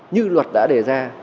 như luật đã đề ra